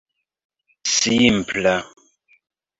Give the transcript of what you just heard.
simpla